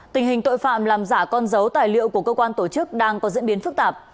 tình hình tội phạm làm giả con dấu tài liệu của cơ quan tổ chức đang có diễn biến phức tạp